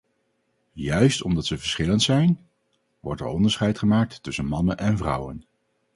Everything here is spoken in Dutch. Juist omdat ze verschillend zijn, wordt er onderscheid gemaakt tussen mannen en vrouwen.